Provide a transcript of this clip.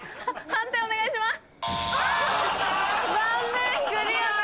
判定お願いします。